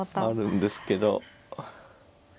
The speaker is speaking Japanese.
あるんですけど。